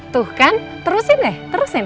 tuh kan terusin deh terusin